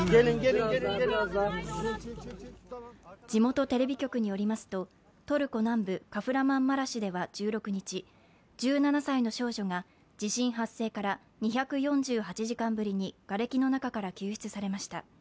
地元テレビ局によりますと、トルコ南部カフラマンマラシュでは１６日、１７歳の少女が地震発生から２４８時間ぶりにがれきの中から救出されました。